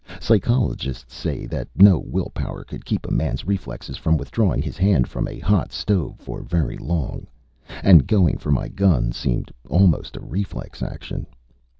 Psychologists say that no will power could keep a man's reflexes from withdrawing his hand from a hot stove for very long. And going for my gun seemed almost a reflex action.